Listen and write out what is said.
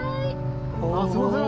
あっすいません！